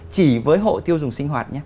chỉ với hộ tiêu dùng sinh hoạt nhé